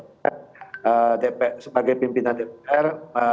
sebagai pimpinan dpr